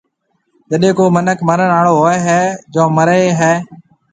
جڏي ڪو مِنک مرڻ آݪو ھووَي ھيََََ جون مرَي ھيََََ۔